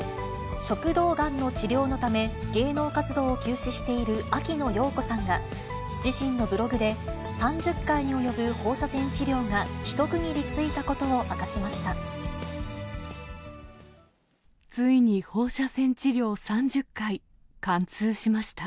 食道がんの治療のため芸能活動を休止している秋野暢子さんが、自身のブログで３０回に及ぶ放射線治療が一区切りついたことを明かしました。